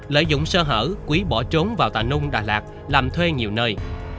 lợi dụng sơ hở quý bỏ trốn vào tà nung đà lạt làm thuê nhiều nơi